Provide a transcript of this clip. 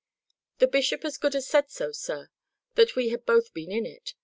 "The bishop as good as said so, sir that we had both been in it.